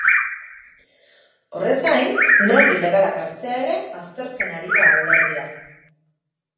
Horrez gain, neurri legalak hartzea ere aztertzen ari da alderdia.